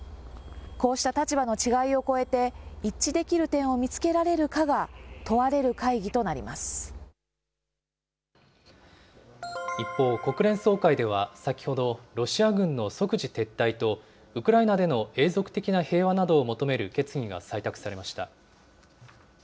こうした立場の違いを超えて、一致できる点を見つけられるかが問一方、国連総会では先ほどロシア軍の即時撤退と、ウクライナでの永続的な平和などを求める決議が採択されました。